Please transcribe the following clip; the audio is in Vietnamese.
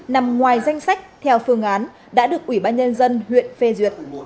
nằm ngoài danh sách theo phương án đã được ủy ban nhân dân huyện phê duyệt